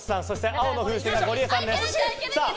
青の風船がゴリエさんです。